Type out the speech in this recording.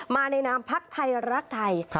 มาในนามพักไทยรักไทย